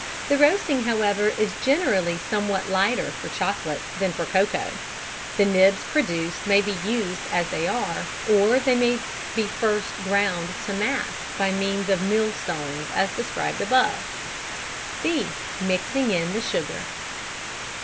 The roasting, however, is generally somewhat lighter for chocolate than for cocoa. The nibs produced may be used as they are, or they may be first ground to "mass" by means of mill stones as described above. (b) _Mixing in the Sugar.